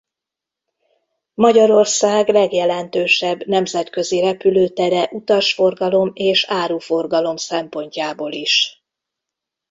Magyarország legjelentősebb nemzetközi repülőtere utasforgalom és áruforgalom szempontjából is.